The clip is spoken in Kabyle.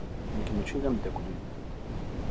Nekk mačči d ameddakel-im.